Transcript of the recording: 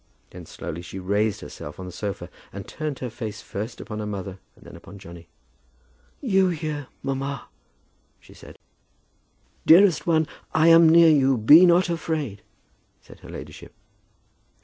Then slowly she raised herself on the sofa, and turned her face first upon her mother and then upon Johnny. "You here, mamma!" she said. "Dearest one, I am near you. Be not afraid," said her ladyship.